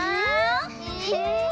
え。